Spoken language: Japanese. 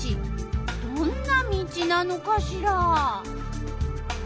どんな道なのかしら？